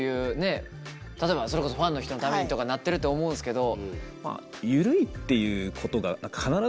例えばそれこそファンの人のためにとかなってると思うんすけど。